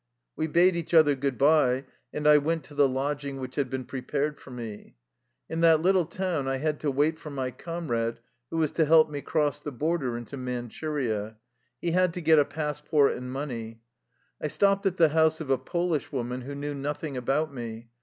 We bade each other good by, and I went to the lodging which had been prepared for me. In that little town I had to wait for my comrade who was to help me cross the border into Man churia. He had to get a passport and money. I stopped at the house of a Polish woman, who knew nothing about me.